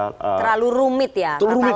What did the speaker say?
terlalu rumit ya